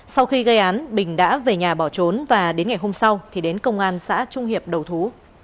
sau khi gây án bình đã về nhà bỏ trốn và đến ngày hôm sau thì đến công an xã trung hiệp đầu thú